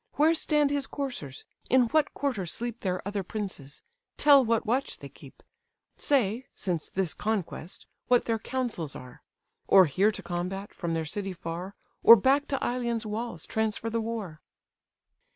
Where stand his coursers? in what quarter sleep Their other princes? tell what watch they keep: Say, since this conquest, what their counsels are; Or here to combat, from their city far, Or back to Ilion's walls transfer the war?"